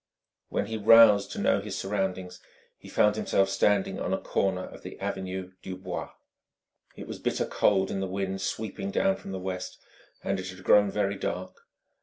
When he roused to know his surroundings, he found himself standing on a corner of the avenue du Bois. It was bitter cold in the wind sweeping down from the west, and it had grown very dark.